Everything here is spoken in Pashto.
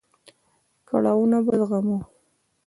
کړاوونه به زغمو.